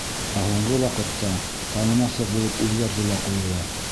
Ә һуңғы ваҡытта танымаҫлыҡ булып үҙгәрҙе лә ҡуйҙы.